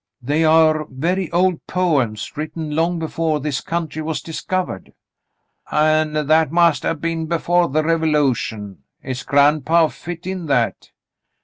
"They are very old poems written long before this country was discovered." "An' that must 'a' been before the Revolution. His grandpaw fit in that.